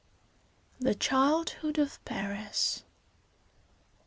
THE CHILDHOOD OF PARIS.